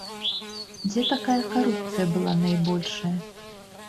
Дзе такая карупцыя была найбольшая?